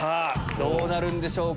どうなるんでしょうか？